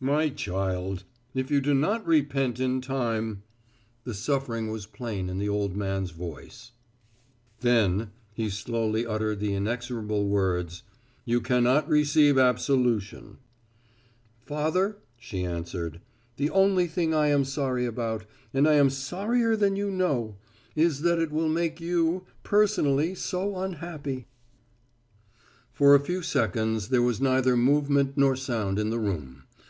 "My child! If you do not repent in time " the suffering was plain in the old man's voice. [Illustration: Rebellion.] "I cannot repent that I have become myself." "Then," he slowly uttered the inexorable words, "you cannot receive absolution." "Father," she answered, "the only thing I am sorry about, and I am sorrier than you know, is that it will make you, personally so unhappy!" For a few seconds there was neither movement nor sound in the room.